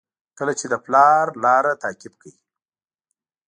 کله چې د پلار لاره تعقیب کړئ.